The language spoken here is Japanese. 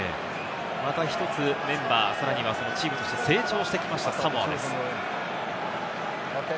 また１つメンバー、さらにはチームとして成長してきましたサモアです。